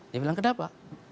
dia bilang kenapa